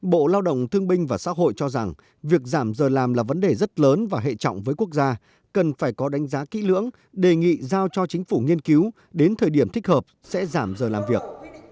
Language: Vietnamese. bộ lao động thương binh và xã hội cho rằng việc giảm giờ làm là vấn đề rất lớn và hệ trọng với quốc gia cần phải có đánh giá kỹ lưỡng đề nghị giao cho chính phủ nghiên cứu đến thời điểm thích hợp sẽ giảm giờ làm việc